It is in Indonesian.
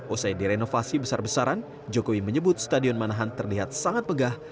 usai direnovasi besar besaran jokowi menyebut stadion manahan terlihat sangat pegah